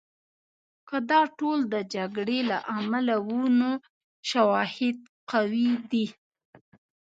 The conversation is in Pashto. که دا ټول د جګړې له امله وو، نو شواهد قوي دي.